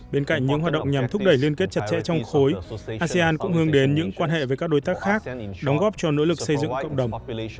bên cạnh những hoạt động nhằm thúc đẩy liên kết chặt chẽ trong khối asean cũng hướng đến những quan hệ với các đối tác khác đóng góp cho nỗ lực xây dựng cộng đồng